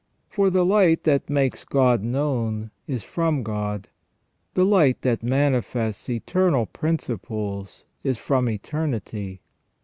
For the light that makes God known is from God, the light that manifests eternal principles is from eternity.